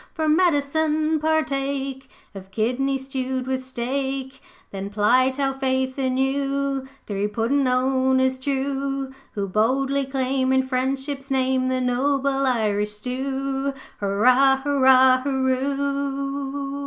For medicine, partake Of kidney, stewed with steak. 'Then plight our faith anew Three puddin' owners true, Who boldly claim In Friendship's name The noble Irish stoo, Hurrah, Hurrah, Hurroo!'